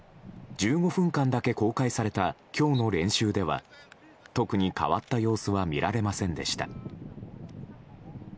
１５分間だけ公開された今日の練習では特に変わった様子は見られませんでした。